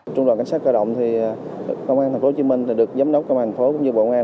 trung đoàn cảnh sát cơ động thì công an tp hcm được giám đốc công an tp hcm cũng như bộ ngoan